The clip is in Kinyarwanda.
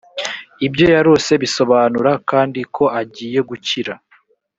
ibyo yarose bisobanura kandi ko agiye gukira